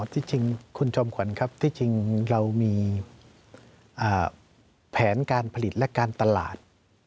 ที่จริงคุณจอมขวัญครับที่จริงเรามีแผนการผลิตและการตลาด